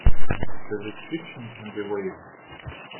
The restriction can be waived.